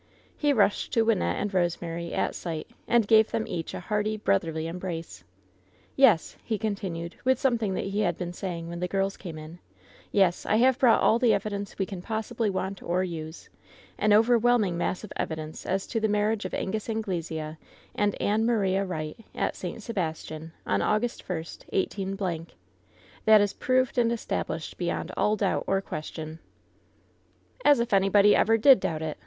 He rushed to Wynnette and Rosemary "at sight," and gave them each a hearty, brotherly embrace. "Yes,'' he continued, with something that he had been saying when the girls came in — "yes, I have brought all the evidence we can possibly want or use — an over^ whelming mass of evidence as to the marriage of Angus Anglesea and Ann Maria Wright at St. Sebastian, on August 1, 18 —. That is proved and established beyond all doubt or question." "As if anybody ever did doubt it.